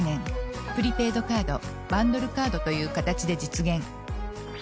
プリペイドカード「バンドルカード」という形で実現。